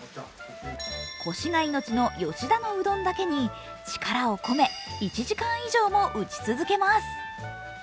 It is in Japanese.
こしが命の吉田のうどんだけに力を込め、１時間以上も打ち続けます。